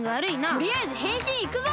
とりあえずへんしんいくぞ！